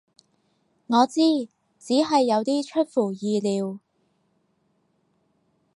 我知，只係有啲出乎意料